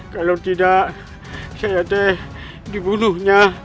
kalau tidak saya teh dibunuhnya